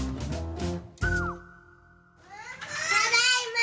ただいま！